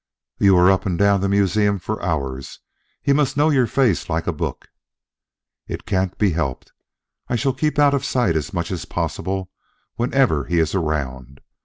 "You were up and down the museum for hours. He must know your face like a book." "It can't be helped, I shall keep out of sight as much as possible whenever he is around.